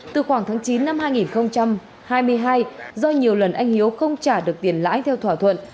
từ khoảng tháng chín năm hai nghìn hai mươi hai do nhiều lần anh hiếu không trả được tiền lãi theo thỏa thuận